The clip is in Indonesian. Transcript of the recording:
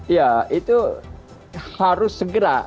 ya itu harus segera